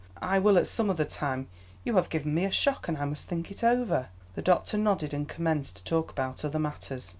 I will at some other time. You have given me a shock, and I must think it over." The doctor nodded, and commenced to talk about other matters.